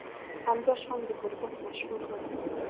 همداشان د گربت مشهور غر